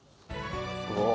うわ！